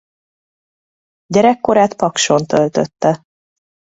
Gyerekkorát Pakson töltötte.